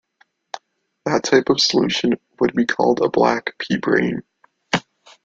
That type of solution would be called a black "p"-brane.